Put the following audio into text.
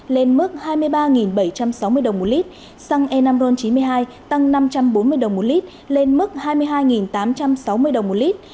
lên mức hai mươi ba bảy trăm sáu mươi đồng một lít xăng e năm ron chín mươi hai tăng năm trăm bốn mươi đồng một lít lên mức hai mươi hai tám trăm sáu mươi đồng một lít